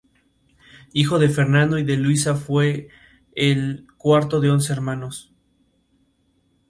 Hijo de Fernando y de Luisa fue el cuarto de once hermanos.